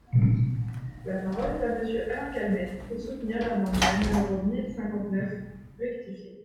La parole est à Monsieur Alain Calmette, pour soutenir l’amendement numéro mille cinquante-neuf rectifié.